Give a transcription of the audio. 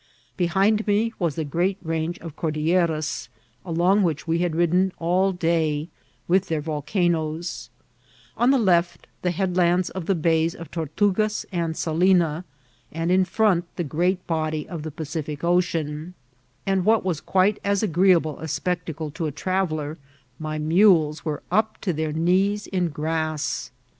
Behind me was the great range of Cordilleras, along which we had ridden all day, with their Tolcanoes ; on the left the headlands of the bays of Tortngas and Salina, and in front the great body of the Pacific Ocean ; and what was qoite as agreeable a spectacle to a traveller, my mules wore up to their knees in grass.